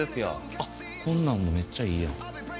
あっこんなんもめっちゃいいやん。